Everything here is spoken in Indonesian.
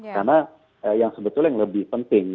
karena yang sebetulnya yang lebih penting